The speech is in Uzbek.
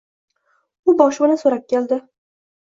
U boshpana so’rab keldi.